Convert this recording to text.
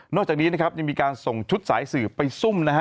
จากนี้นะครับยังมีการส่งชุดสายสืบไปซุ่มนะฮะ